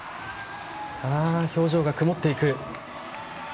表情が曇っていく。